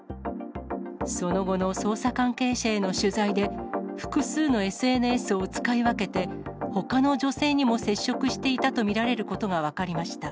その後の捜査関係者への取材で、複数のＳＮＳを使い分けて、ほかの女性にも接触していたと見られることが分かりました。